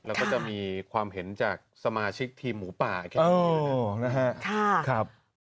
แล้วก็จะมีความเห็นจากสมาชิกทีมหมูป่าแค่นี้นะครับ